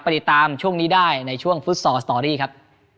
ติดตามช่วงนี้ได้ในช่วงฟุตซอลสตอรี่ครับ